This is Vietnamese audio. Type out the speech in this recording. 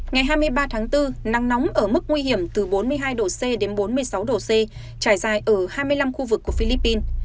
ngày hai mươi ba tháng bốn nắng nóng ở mức nguy hiểm từ bốn mươi hai độ c đến bốn mươi sáu độ c trải dài ở hai mươi năm khu vực của philippines